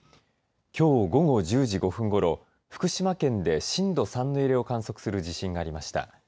きょう午後１０時５分ごろ福島県で震度３の揺れを観測する地震がありました。